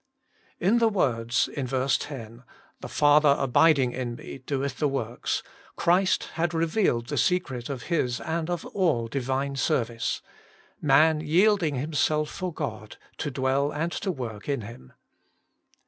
IN the words (ver. 10), 'The Father abiding in Me doeth the works,' Christ had revealed the secret of His and of all Divine service — man yielding himself for God to dv/ell and to work in him.